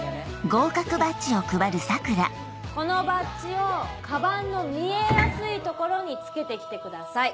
このバッジをカバンの見えやすい所に付けて来てください。